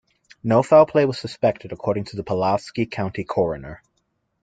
No foul play was suspected, according to the Pulaski County Coroner.